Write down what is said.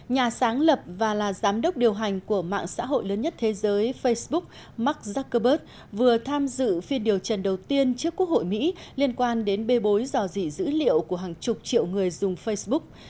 nhà sáng lập và là giám đốc điều hành của mạng xã hội lớn nhất thế giới facebook mark zuckerberg vừa tham dự phiên điều trần đầu tiên trước quốc hội mỹ liên quan đến bê bối dò dỉ dữ liệu của hàng chục triệu người dùng facebook